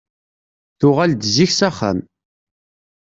Tuɣal-d zik s axxam.